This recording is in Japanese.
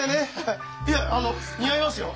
いやあの似合いますよ。